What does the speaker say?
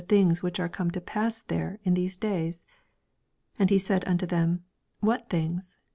things which are come to pass there in these days ? 19 And he said unto them, What things?